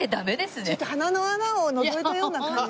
ちょっと鼻の穴をのぞいたような感じ。